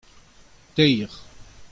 teir.